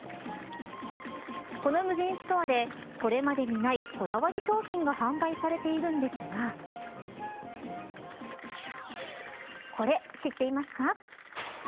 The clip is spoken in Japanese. この無人ストアでこれまでにない、こだわり商品が販売されているんですがこれ、知っていますか。